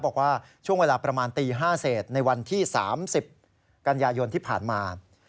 บอกว่าช่วงเวลาประมาณตี๕เศษในวันที่๓๐กันยายนที่ผ่านมา